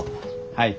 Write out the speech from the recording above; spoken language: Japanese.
はい。